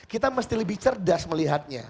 kita mesti lebih cerdas melihatnya